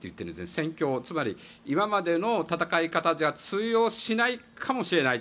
戦況、つまり今までの戦い方じゃ通用しないかもしれない。